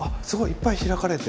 いっぱい開かれて。